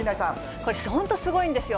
これ、本当すごいんですよ。